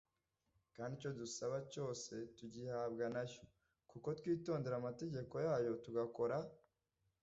kandi icyo dusaba cyose tugihabwa na yo, kuko twitondera amategeko yayo tugakora